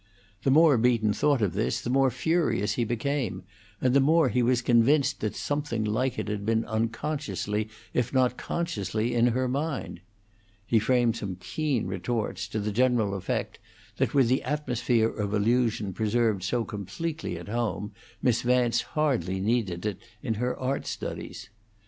The more Beaton thought of this, the more furious he became, and the more he was convinced that something like it had been unconsciously if not consciously in her mind. He framed some keen retorts, to the general effect that with the atmosphere of illusion preserved so completely at home, Miss Vance hardly needed it in her art studies.